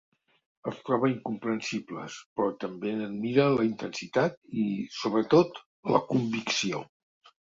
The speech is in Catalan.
Els troba incomprensibles, però també n'admira la intensitat i, sobretot, la convicció.